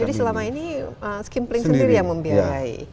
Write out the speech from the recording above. jadi selama ini skimpling sendiri yang membiarkan